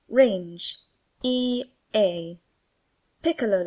Range e a''. PICCOLO.